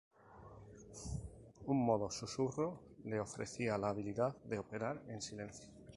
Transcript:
Un "modo susurro" le ofrecía la habilidad de operar en silencio.